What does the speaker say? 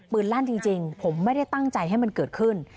ลั่นจริงผมไม่ได้ตั้งใจให้มันเกิดขึ้น